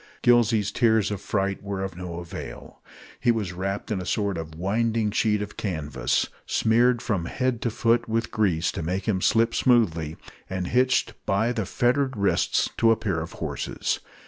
Gillsey's tears of fright were of no avail. He was wrapped in a sort of winding sheet of canvas, smeared from head to foot with grease to make him slip smoothly, and hitched by the fettered wrists to a pair of horses.